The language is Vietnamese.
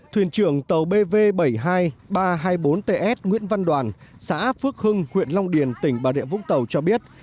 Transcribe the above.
thuyền trưởng tàu bv bảy mươi hai nghìn ba trăm hai mươi bốn ts nguyễn văn đoàn xã phước hưng huyện long điền tỉnh bà rịa vũng tàu cho biết